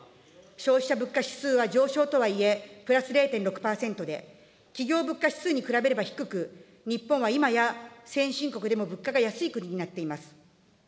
消費者物価指数は上昇とはいえ、プラス０．６％で、企業物価指数に比べれば低く、日本は今や、先進国でも物価が安い国になっています。